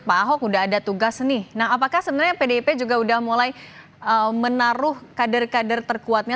pak ahok udah ada tugas nih nah apakah sebenarnya pdip juga udah mulai menaruh kader kader terkuatnya